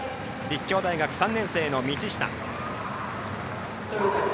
立教大学３年生の道下。